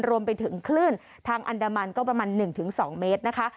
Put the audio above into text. รวมไปถึงคลื่นทางอันดามันก็ประมาณหนึ่งถึงสองเมตรนะคะ